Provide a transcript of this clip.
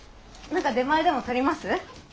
何か出前でも取ります？